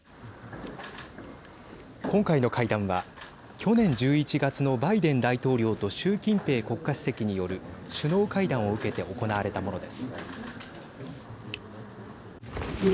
今回の会談は去年１１月のバイデン大統領と習近平国家主席による首脳会談を受けて行われたものです。